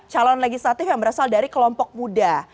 calon legislatif yang berasal dari kelompok muda